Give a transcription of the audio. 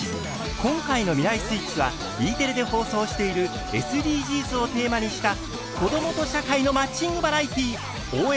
今回の「未来スイッチ」はＥテレで放送しているＳＤＧｓをテーマにした子どもと社会のマッチングバラエティー「応援！